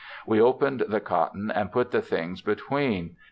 We opened the cotton and put the things between.